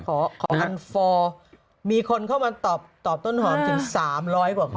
อันฟอร์มีคนเข้ามาตอบต้นหอมถึง๓๐๐กว่าคน